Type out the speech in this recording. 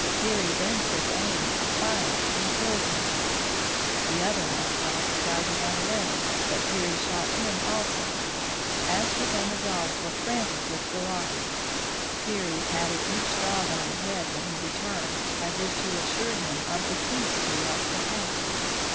Peary then took aim, fired, and killed him. The other musk ox tried to run away, but Peary shot him also. Astrup and the dogs were frantic with delight. Peary patted each dog on the head when he returned, as if to assure him of the feast he was to have.